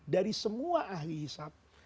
dari semua ahli hisap